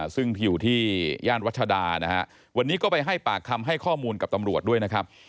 ซึ่งอยู่ที่ย่านรัชดานะฮะวันนี้ก็ไปให้ปากคำให้ข้อมูลกับตำรวจด้วยนะครับ